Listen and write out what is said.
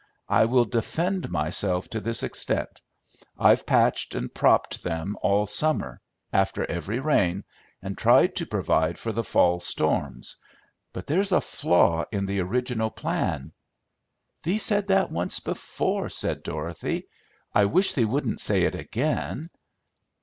I will defend myself to this extent; I've patched and propped them all summer, after every rain, and tried to provide for the fall storms; but there's a flaw in the original plan" "Thee said that once before," said Dorothy. "I wish thee wouldn't say it again."